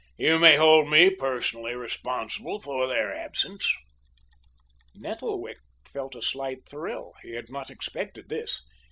You may hold me personally responsible for their absence." Nettlewick felt a slight thrill. He had not expected this.